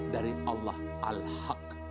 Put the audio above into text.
dari allah al haq